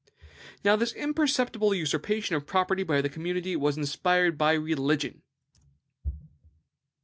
Now, this imperceptible usurpation of property by the commonalty was inspired by religion.